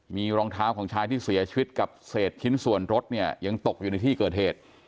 มีรองเท้าของชายที่เสียชีวิตกับเศษชิ้นส่วนรถเนี่ยยังตกอยู่ในที่เกิดเหตุ